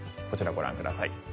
こちらご覧ください。